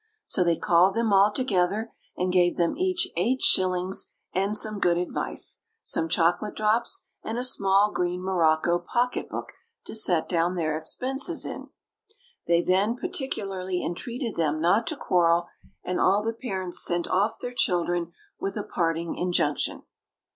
So they called them all together, and gave them each eight shillings and some good advice, some chocolate drops, and a small green morocco pocket book to set down their expenses in. They then particularly entreated them not to quarrel; and all the parents sent off their children with a parting injunction.